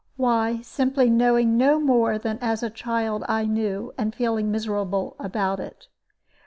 Why, simply knowing no more than as a child I knew, and feeling miserable about it.